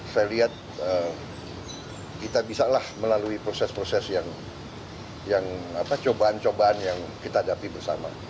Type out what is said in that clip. saya lihat kita bisalah melalui proses proses yang cobaan cobaan yang kita hadapi bersama